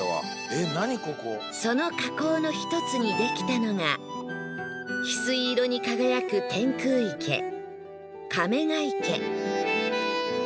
その火口の１つにできたのが翡翠色に輝く天空池亀ヶ池